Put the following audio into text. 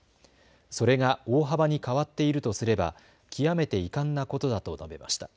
それが大幅に変わっているとすれば極めて遺憾なことだと述べました。